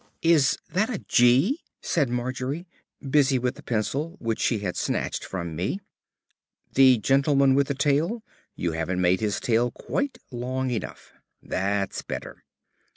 "Is that a 'g'?" said Margery, busy with the pencil, which she had snatched from me. "The gentleman with the tail. You haven't made his tail quite long enough.... That's better."